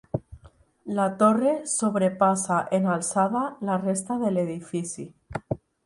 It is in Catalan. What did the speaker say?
La torre sobrepassa en alçada la resta de l'edifici.